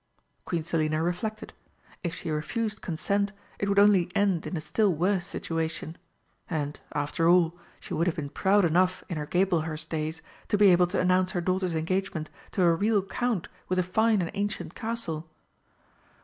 Queen Selina reflected. If she refused consent, it would only end in a still worse situation. And, after all, she would have been proud enough in her Gablehurst days to be able to announce her daughter's engagement to a real Count with a fine and ancient castle.